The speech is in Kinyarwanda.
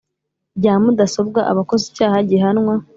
Rya mudasobwa aba akoze icyaha gihanwa